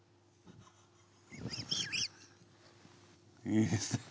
いいですね